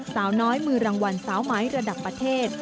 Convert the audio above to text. สาวน้อยมือรางวัลสาวไหมระดับประเทศ